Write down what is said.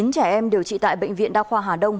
chín trẻ em điều trị tại bệnh viện đa khoa hà đông